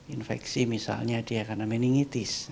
infeksi misalnya dia karena meningitis